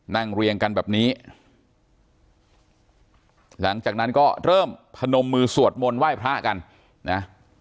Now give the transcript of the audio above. เรียงกันแบบนี้หลังจากนั้นก็เริ่มพนมมือสวดมนต์ไหว้พระกันนะ